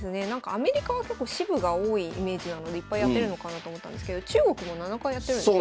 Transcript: アメリカは結構支部が多いイメージなのでいっぱいやってるのかなと思ったんですけど中国も７回やってるんですね。